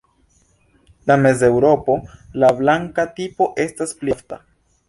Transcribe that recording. En Mezeŭropo la „blanka tipo“ estas pli ofta.